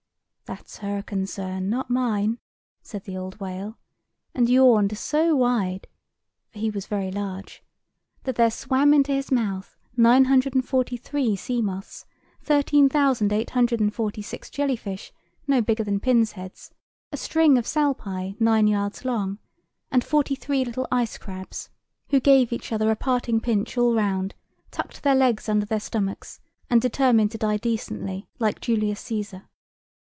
"That's her concern, not mine," said the old whale; and yawned so wide (for he was very large) that there swam into his mouth 943 sea moths, 13,846 jelly fish no bigger than pins' heads, a string of salpæ nine yards long, and forty three little ice crabs, who gave each other a parting pinch all round, tucked their legs under their stomachs, and determined to die decently, like Julius Cæsar.